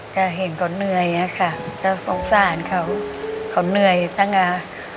ก็เห็นเขาเหนื่อยอะค่ะก็สงสารเขาเขาเหนื่อยตั้งอ่ะ